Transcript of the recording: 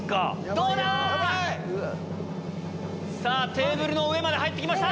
どうだ⁉テーブルの上まで入って来ました。